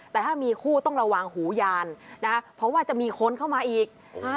แต่ถ้ามีคู่ต้องระวังหูยานนะคะเพราะว่าจะมีคนเข้ามาอีก